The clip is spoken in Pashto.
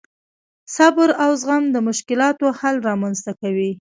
صبر او زغم د مشکلاتو حل رامنځته کوي.